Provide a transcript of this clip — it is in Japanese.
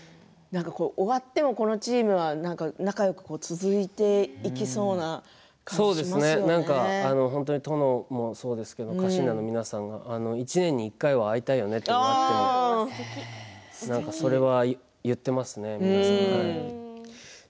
終わってもこのチームは仲よく続いていきそうな殿もそうですが家臣団の皆さん１年に１回は会いたいよねとなってそれは言っていますね。